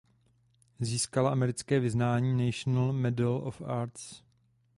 Získala americké vyznamenání "National Medal of Arts".